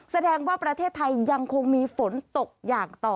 แสดงว่าประเทศไทยยังคงมีฝนตกอย่างต่อ